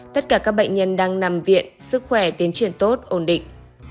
tất cả các bệnh nhân đang nằm viện sức khỏe tiến triển tốt ổn định